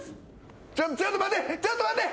ちょっちょっと待ってちょっと待って！